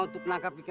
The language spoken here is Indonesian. saya tugas juga